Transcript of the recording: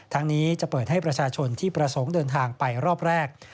ทั้งนี้จะเปิดให้ประชาชนที่ประสงค์เดินทางไปรอบแรก